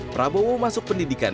prabowo masuk pendidikan